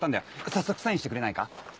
早速サインしてくれないか？